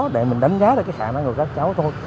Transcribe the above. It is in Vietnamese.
để mình đánh giá được cái khả năng của các cháu thôi